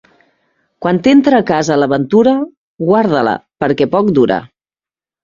Quan t'entra a casa la ventura, guarda-la, perquè poc dura.